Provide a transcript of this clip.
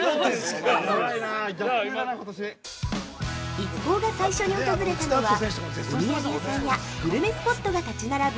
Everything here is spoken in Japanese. ◆一行が最初に訪れたのはお土産屋さんやグルメスポットが立ち並ぶ